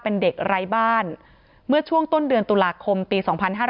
เป็นเด็กไร้บ้านเมื่อช่วงต้นเดือนตุลาคมปี๒๕๕๙